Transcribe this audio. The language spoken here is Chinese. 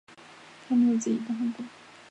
他们有自己的汗国。